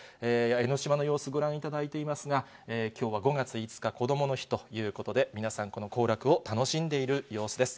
江の島の様子、ご覧いただいていますが、きょうは５月５日こどもの日ということで、皆さん、この行楽を楽しんでいる様子です。